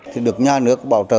thì được nhà nước bảo trợ